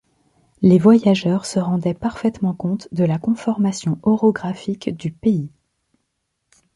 Les voyageurs se rendaient parfaitement compte de la conformation orographique du pays.